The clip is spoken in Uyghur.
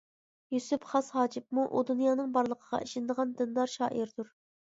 يۈسۈپ خاس ھاجىپمۇ ئۇ دۇنيانىڭ بارلىقىغا ئىشىنىدىغان دىندار شائىردۇر.